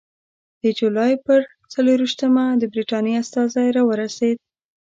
د جولای پر څلېرویشتمه د برټانیې استازی راورسېد.